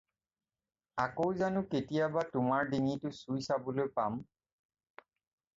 আকৌ জানাে কেতিয়াবা তােমাৰ ডিঙিটো চুই চাবলৈ পাম?